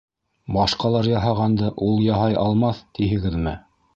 Башҡалар яһағанды ул яһай алмаҫ, тиһегеҙме?